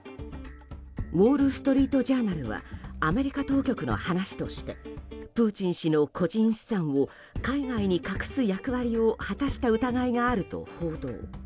ウォール・ストリート・ジャーナルはアメリカ当局の話としてプーチン氏の個人資産を海外に隠す役割を果たした疑いがあると報道。